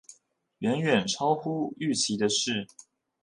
遠遠超乎預期的事